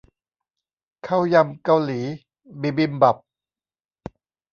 ข้าวยำเกาหลี บิบิมบับ